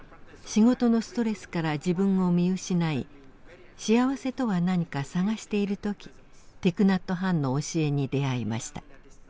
仕事のストレスから自分を見失い幸せとは何か探している時ティク・ナット・ハンの教えに出会いました。